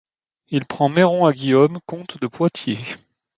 Il prend Méron, à Guillaume, comte de Poitiers.